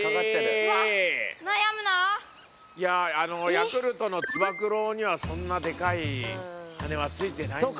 ヤクルトのつば九郎にはそんなでかい羽はついてないんだよね。